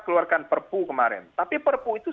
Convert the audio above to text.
keluarkan perpu kemarin tapi perpu itu